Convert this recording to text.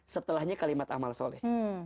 setelahnya kalimat amal soleh